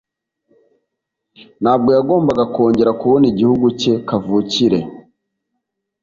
Ntabwo yagombaga kongera kubona igihugu cye kavukire.